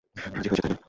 রাজি হয়েছে, তাই না?